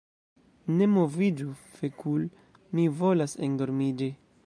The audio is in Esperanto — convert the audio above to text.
Ne moviĝu fekul' mi volas endormiĝi